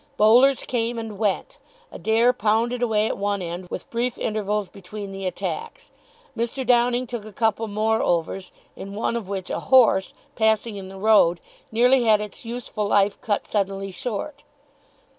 Bowlers came and went. Adair pounded away at one end with brief intervals between the attacks. Mr. Downing took a couple more overs, in one of which a horse, passing in the road, nearly had its useful life cut suddenly short.